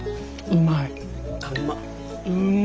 うまい。